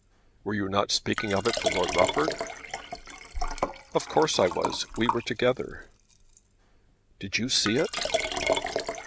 "Were you not speaking of it to Lord Rufford?" "Of course I was. We were together." "Did you see it?"